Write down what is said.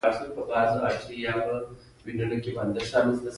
د پلورلو پرېکړه کړې